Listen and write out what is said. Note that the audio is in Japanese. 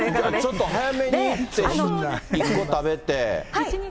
ちょっと早めに行って１個食べて。